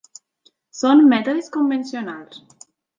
Són mètodes convencionals.